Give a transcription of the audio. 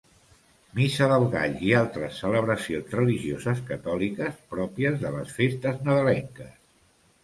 Missa del Gall i altres celebracions religioses catòliques pròpies de les festes nadalenques.